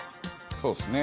そうですね。